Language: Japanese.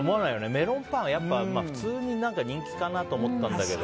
メロンパンはやっぱ普通に人気かなと思ったんだけど。